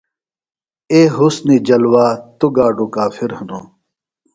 اے حُسُن جلوہ توۡ گاڈوۡ کافِر ہِنوۡ۔